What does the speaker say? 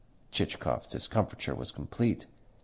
Chichikov's discomfiture was complete.